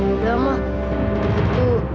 yaudah ma begitu